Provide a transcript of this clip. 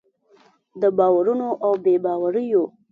د باورونو او بې باوریو